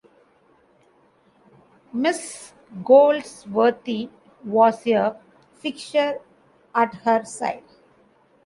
Miss Goldsworthy was a fixture at her side.